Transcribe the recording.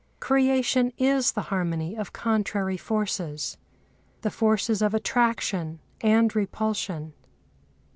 Creation is the harmony of contrary forces—the forces of attraction and repulsion.